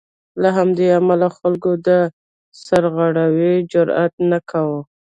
له همدې امله خلکو د سرغړاوي جرات نه کاوه.